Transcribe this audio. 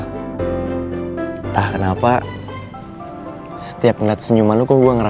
entah kenapa setiap ngeliat senyuman lo kok gue ngerasa